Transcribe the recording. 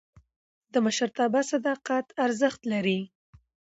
د مشرتابه صداقت ارزښت لري